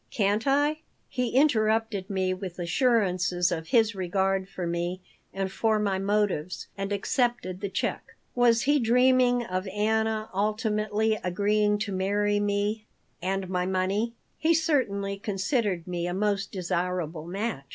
Can't I " He interrupted me with assurances of his regard for me and for my motives, and accepted the check. Was he dreaming of Anna ultimately agreeing to marry me and my money? He certainly considered me a most desirable match.